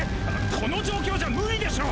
この状況じゃ無理でしょ！